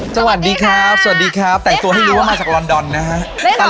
สวัสดีครับสวัสดีครับแต่งตัวให้รู้ว่ามาจากลอนดอนนะฮะ